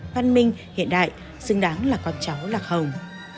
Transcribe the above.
văn minh hiện đại xứng đáng là con cháu lạc hồng